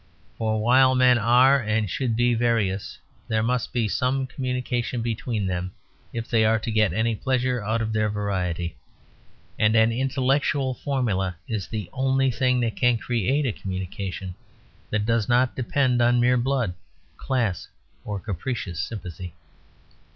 For while men are and should be various, there must be some communication between them if they are to get any pleasure out of their variety. And an intellectual formula is the only thing that can create a communication that does not depend on mere blood, class, or capricious sympathy.